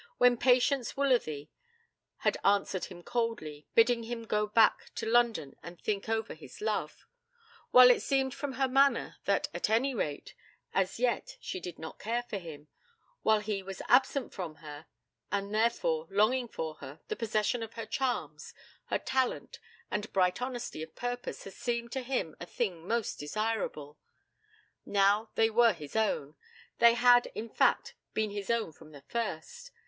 When Patience Woolsworthy had answered him coldly, bidding him go back to London and think over his love; while it seemed from her manner that at any rate as yet she did not care for him; while he was absent from her, and, therefore, longing for her, the possession of her charms, her talent, and bright honesty of purpose had seemed to him a thing most desirable. Now they were his own. They had, in fact, been his own from the first.